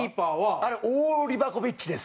あれ、大リバコビッチです。